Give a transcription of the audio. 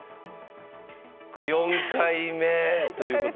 これ４回目ということで。